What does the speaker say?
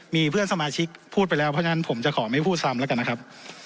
มีเพื่อนสมาชิกพูดไปแล้วเพราะฉะนั้นผมจะขอไม่พูดซ้ำแล้วกันนะครับ